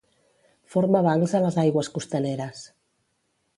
Forma bancs a les aigües costaneres.